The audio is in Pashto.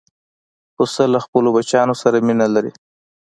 پسه له خپلو بچیانو سره مینه لري.